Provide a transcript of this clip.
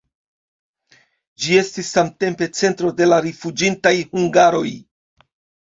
Ĝi estis samtempe centro de la rifuĝintaj hungaroj.